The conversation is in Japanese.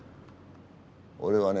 俺はね